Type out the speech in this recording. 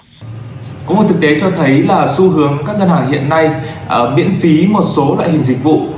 có một thực tế cho thấy là xu hướng các ngân hàng hiện nay miễn phí một số loại hình dịch vụ